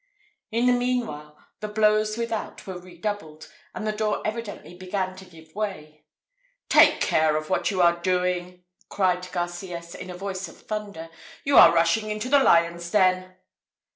In the meanwhile, the blows without were redoubled, and the door evidently began to give way. "Take care what you are doing!" cried Garcias, in a voice of thunder; "you are rushing into the lion's den!"